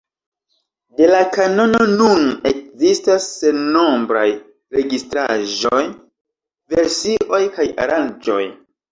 De la kanono nun ekzistas sennombraj registraĵoj, versioj kaj aranĝoj.